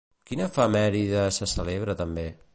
Quina efemèride se celebra també?